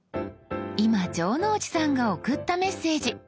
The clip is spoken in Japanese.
今城之内さんが送ったメッセージ。